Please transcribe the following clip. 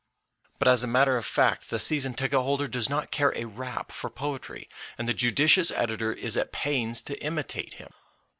But as a matter of fact the season ticket holder does not care a rap for poetry, and the judicious editor is at pains to imitate him.